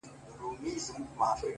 • له مشرقه تر مغربه له شماله تر جنوبه,